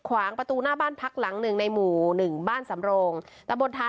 ว่าอยู่หน้าบ้านเลยค่ะ